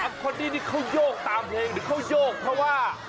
เอ้าพอทีนี้เขาโยกตามเพลงหรือเขาโยกเพราะว่า